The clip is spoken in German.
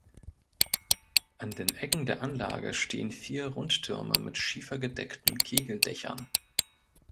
An den Ecken der Anlage stehen vier Rundtürme mit schiefergedeckten Kegeldächern.